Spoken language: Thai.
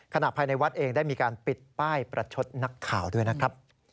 ภายในวัดเองได้มีการปิดป้ายประชดนักข่าวด้วยนะครับ